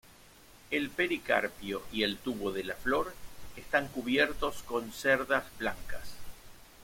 El pericarpio y el tubo de la flor están cubiertos con cerdas blancas.